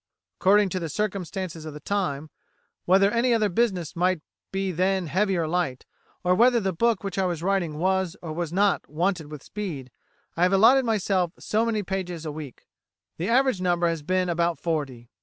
According to the circumstances of the time, whether any other business might be then heavy or light, or whether the book which I was writing was, or was not, wanted with speed, I have allotted myself so many pages a week. The average number has been about forty.